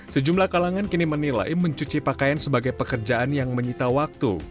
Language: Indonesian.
sejumlah kalangan kini menilai mencuci pakaian sebagai pekerjaan yang menyita waktu